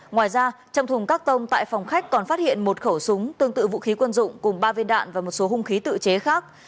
ngoài ra trong thùng các tông tại phòng khách còn phát hiện một khẩu súng tương tự vũ khí quân dụng cùng ba viên đạn và một số hung khí tự chế khác